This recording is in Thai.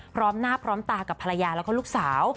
พร้อมหน้าพร้อมตากับภรรยาแล้วก็ลูกสาว